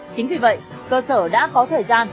chính vì vậy cơ sở đã có thời gian